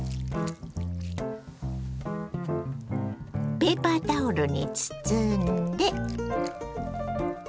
ペーパータオルに包んで。